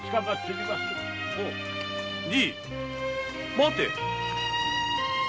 待て！